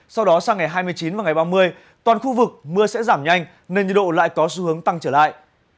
sau đó sang ngày hai mươi chín và ngày ba mươi toàn khu vực mưa sẽ giảm nhanh nên nhiệt độ lại có xu hướng tăng trở lại